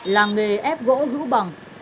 làng nghề ép gỗ rũ bằng